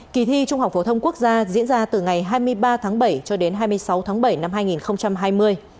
kỳ thi trung học phổ thông quốc gia diễn ra từ ngày hai mươi ba tháng bảy cho đến hai mươi sáu tháng bảy năm hai nghìn hai mươi